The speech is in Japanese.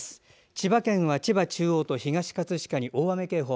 千葉県は千葉中央と東葛飾に大雨警報。